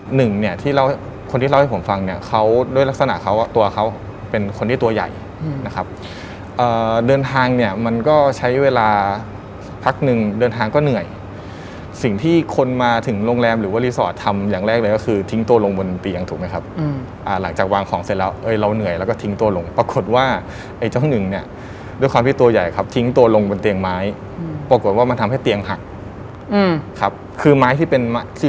หนึ่งเนี่ยที่เล่าคนที่เล่าให้ผมฟังเนี่ยเขาด้วยลักษณะเขาตัวเขาเป็นคนที่ตัวใหญ่นะครับเดินทางเนี่ยมันก็ใช้เวลาพักหนึ่งเดินทางก็เหนื่อยสิ่งที่คนมาถึงโรงแรมหรือว่ารีสอร์ททำอย่างแรกเลยก็คือทิ้งตัวลงบนเตียงถูกไหมครับหลังจากวางของเสร็จแล้วเราเหนื่อยแล้วก็ทิ้งตัวลงปรากฏว่าไอ้เจ้าหน